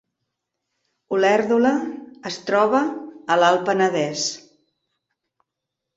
Olèrdola es troba a l’Alt Penedès